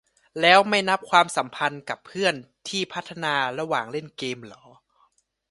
แล้วไม่นับความสัมพันธ์กับเพื่อนที่พัฒนาระหว่างเล่นเกมเหรอ ?